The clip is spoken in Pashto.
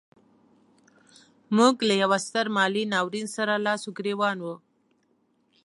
موږ له یوه ستر مالي ناورین سره لاس و ګرېوان وو.